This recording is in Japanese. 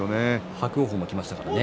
伯桜鵬もきましたからね。